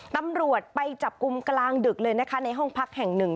ตำรวจไปจับกลุ่มกลางดึกเลยนะคะในห้องพักแห่งหนึ่ง